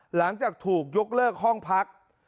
หลังจากถูกยกเลิกห้องพัก